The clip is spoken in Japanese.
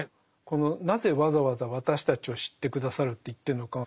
このなぜわざわざ「私たちを知って下さる」って言ってるのか。